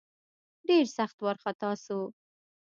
ډېر سخت وارخطا سو.